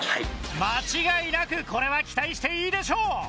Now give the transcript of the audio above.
間違いなくこれは期待していいでしょう！